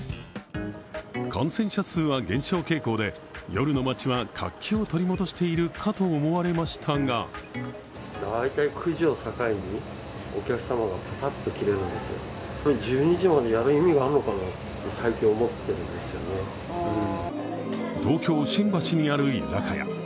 感染者数は減少傾向で、夜の街は活気を取り戻しているかと思われましたが東京・新橋にある居酒屋。